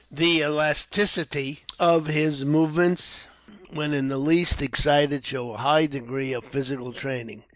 The elasticity of his movements, when in the least excited, shows a high degree of physical training.